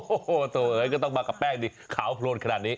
โอ้โหตัวเอ๋ยก็ต้องมากับแป้งดิขาวโพลนขนาดนี้